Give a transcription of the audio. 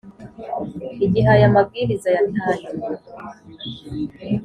Igihe aya mabwiriza ya tangiwe